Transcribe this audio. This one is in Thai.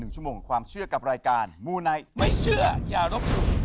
ชั่วโมงของความเชื่อกับรายการมูไนท์ไม่เชื่ออย่ารบหลู่